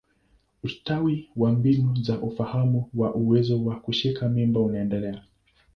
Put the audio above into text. Ustawi wa mbinu za ufahamu wa uwezo wa kushika mimba unaendelea.